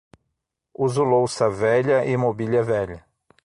Uso louça velha e mobília velha.